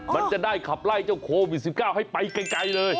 มันจะได้ขับไล่เจ้าโควิด๑๙ให้ไปไกลเลย